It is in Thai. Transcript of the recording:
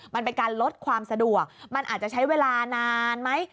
มันเป็นการลดความสะดวกมันอาจจะใช้เวลานานไหม